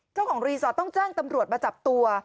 เจ้าของรีสอร์ทต้องแจ้งตำรวจมาจับตัว